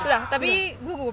sudah tapi gue gugup